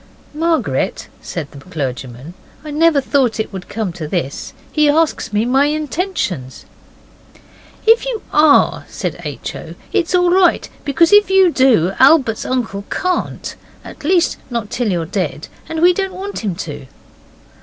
'Margaret,' said the clergyman, 'I never thought it would come to this: he asks me my intentions.' 'If you ARE,' said H. O., 'it's all right, because if you do Albert's uncle can't at least, not till you're dead. And we don't want him to.